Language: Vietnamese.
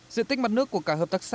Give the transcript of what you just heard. diện tích mặt nước của cả hợp tác xã